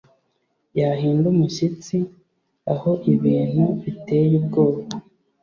Yahinda umushyitsi aho ibintu biteye ubwoba.